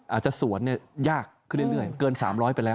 อาจจะสวนยากขึ้นเรื่อยเกิน๓๐๐ไปแล้ว